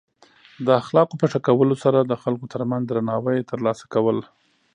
د اخلاقو په ښه کولو سره د خلکو ترمنځ درناوی ترلاسه کول.